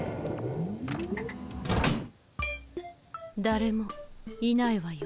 だれもいないわよ